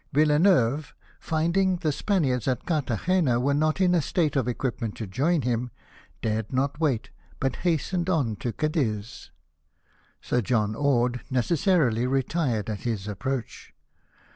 Villeneuve, finding the Spaniards at Cartha gena were not in a state of equipment to join him, dared not wait, but hastened on to Cadiz. Sir John Orde necessarily retire^ at his approach.